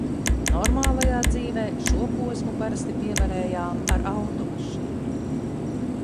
"Normālajā dzīvē" šo posmu parasti pievarējām ar automašīnu.